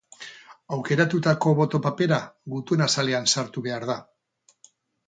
Aukeratutako boto-papera gutun-azalean sartu behar da.